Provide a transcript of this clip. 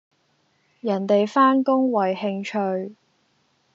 人地返工為興趣